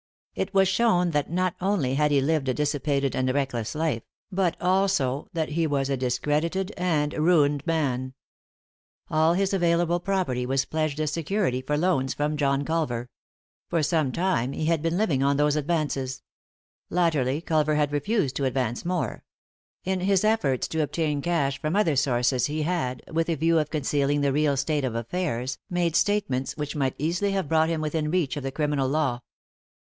It was shown that not only had he lived a dissipated and reckless life, but also that he was a discredited and ruined man. All his available property was pledged as security for loans from John Culver ; 5» 3i 9 iii^d by Google THE INTERRUPTED KISS for some time he had been living on those advances. Latterly Culver had refused to advance more. In his efforts to obtain cash from other sources he had, with a view of concealing the real state of affairs, made statements which might easily have brought him within reach of the criminal law.